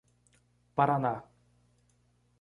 Paraná